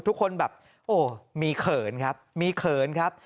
ทุกคนแบบโอ้มีเขินครับมีเขินครับ